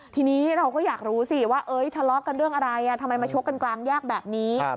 ทีนี้เราก็อยากรู้สิว่าทะเลาะกันเรื่องอะไรทำไมมาชกกันกลางแยกแบบนี้